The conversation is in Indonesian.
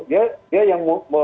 dia dia yang